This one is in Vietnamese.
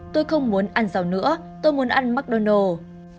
tôi không muốn ăn rau nữa tôi muốn ăn mcdonald s